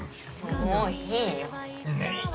もういいよ